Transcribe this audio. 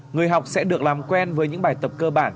người học sẽ được làm quen với những bài tập cơm